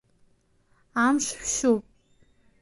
Амш шәшьуп.